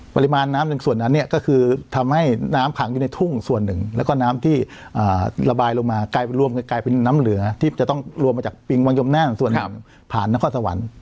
ปริมาณน้ำหนึ่งส่วนนั้นเนี่ยก็คือทำให้น้ำขังอยู่ในทุ่งส่วนหนึ่งแล้วก็น้ำที่ระบายลงมากลายเป็นรวมกลายเป็นน้ำเหลือที่จะต้องรวมมาจากปิงวังยมแน่นส่วนหนึ่งผ่านนครสวรรค์